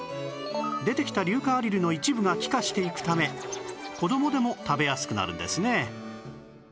出てきた硫化アリルの一部が気化していくため子供でも食べやすくなるんですね